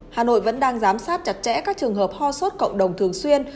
hà nội vẫn đang giám sát chặt chẽ các trường hợp ho sốt cộng đồng thường xuyên